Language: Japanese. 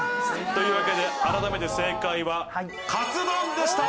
というわけで改めて正解はカツ丼でした。